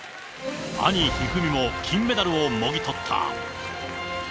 兄、一二三も金メダルをもぎとった。